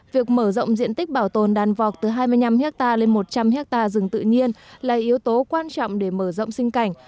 việc mở rộng diện tích bảo tồn đàn vọc từ hai mươi năm hectare lên một trăm linh hectare rừng tự nhiên là yếu tố quan trọng để mở rộng sinh cảnh